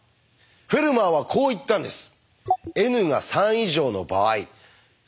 フェルマーはこう言ったんです。